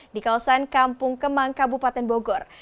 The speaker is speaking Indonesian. di kawasan kampung kemang kabupaten bogor